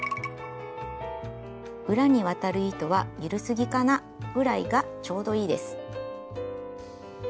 裏に渡る糸は緩すぎかな？ぐらいがちょうどいいです。